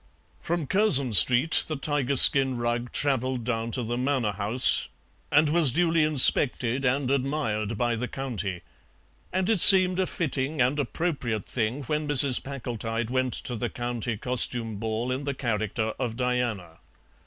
From Curzon Street the tiger skin rug travelled down to the Manor House, and was duly inspected and admired by the county, and it seemed a fitting and appropriate thing when Mrs. Packletide went to the County Costume Ball in the character of Diana.